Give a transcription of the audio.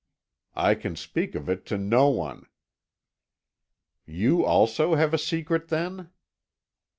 "I can speak of it to no one." "You also have a secret then?"